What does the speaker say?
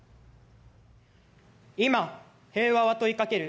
「今、平和は問いかける」。